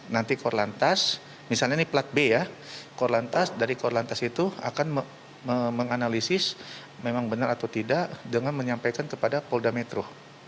nanti kor lantas misalnya ini plat b ya kor lantas dari kor lantas itu akan menganalisis memang benar atau tidak dengan menyampaikan kepada polda metro